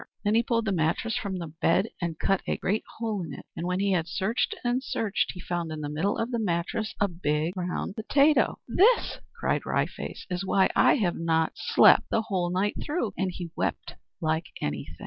Then he pulled the mattress from the bed and cut a great hole in it, and when he had searched and searched he found in the middle of the mattress a big brown potato! "This," cried Wry Face, "is why I have not slept the whole night through!" and he wept like anything.